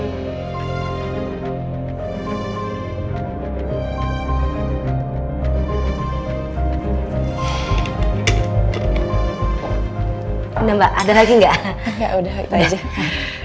udah mbak ada lagi enggak udah udah aja